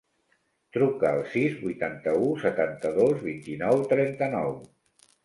Truca al sis, vuitanta-u, setanta-dos, vint-i-nou, trenta-nou.